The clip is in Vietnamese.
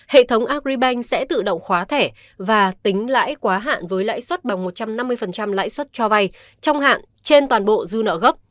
hệ thống agribank sẽ tự động khóa thẻ và tính lãi quá hạn với lãi suất bằng một trăm năm mươi lãi suất cho vay trong hạn trên toàn bộ dư nợ gốc